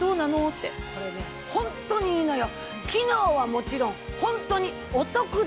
これねホントにいいのよ。